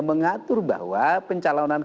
mengatur bahwa pencalonan